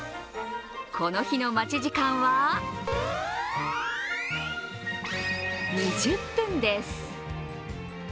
この日の待ち時間は２０分です。